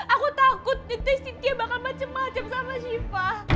aku takut sintia bakal macem macem sama siva